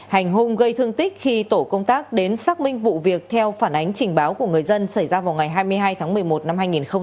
hành hung gây thương tích khi tổ công tác đến xác minh vụ việc theo phản ánh trình báo của người dân xảy ra vào ngày hai mươi hai tháng một mươi một năm hai nghìn hai mươi ba